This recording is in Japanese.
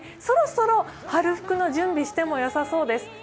そろそろ春服の準備してもよさそうです。